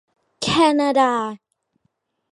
แคนาดา